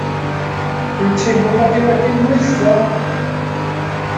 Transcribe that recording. Dw i'n teimlo 'mod i wedi'n nhwyllo.